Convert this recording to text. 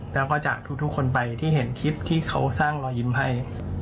แล้วก็จากทุกคนไปที่เห็นคลิปที่เขาสร้างรอยยิ้มให้